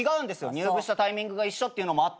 入部したタイミングが一緒なのもあって。